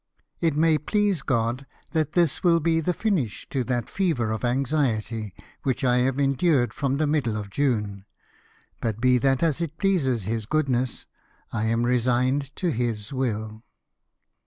It may please God that this will be the finish to that fever of anxiety which I have endured from the middle of June ; but be that as it pleases His goodness, I am resigned to His will."